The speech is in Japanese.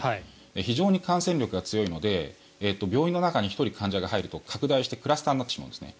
非常に感染力が強いので病院の中に１人患者が入ると拡大して、クラスターになってしまうんです。